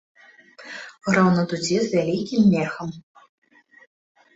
Граў на дудзе з вялікім мехам.